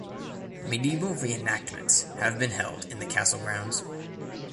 Medieval reenactments have been held in the castle grounds.